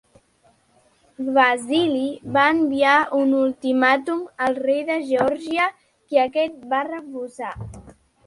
Basili va enviar un ultimàtum al rei de Geòrgia que aquest va refusar.